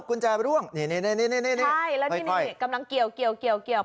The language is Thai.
กุญแจไปล่วงนี่นี่นี่นี่นี่นี่ใช่แล้วนี่นี่นี่กำลังเกี่ยวเกี่ยวเกี่ยวเกี่ยว